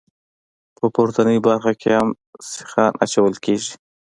په پورتنۍ برخه کې هم سیخان اچول کیږي